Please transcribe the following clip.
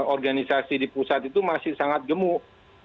organisasi di pusat itu masih sangat gemuk